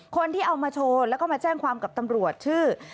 คนที่เอามาโชว์แล้วก็มาแจ้งความกับตำรวจชื่อ